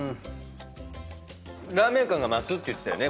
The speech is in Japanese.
ラーメン感が増すって言ってたよね。